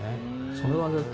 それは絶対。